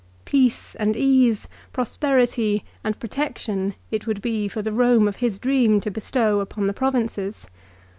Peace and ease, prosperity and protection, it would be for the Rome of his dream to bestow upon the provinces.